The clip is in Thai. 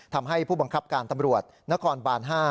ทำให้ผู้บังคับการตำรวจนครบาน๕